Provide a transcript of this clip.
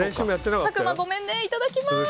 佐久間、ごめんねいただきます。